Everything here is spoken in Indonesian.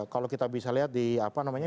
kalau kita bisa lihat di apa namanya